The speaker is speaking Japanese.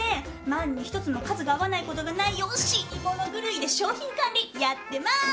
万に一つも数が合わない事がないよう死にもの狂いで商品管理やってまーす！